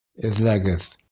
— Эҙләгеҙ!